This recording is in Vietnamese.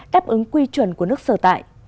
đáp ứng quy chuẩn của nước sở tại